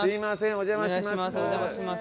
お邪魔します。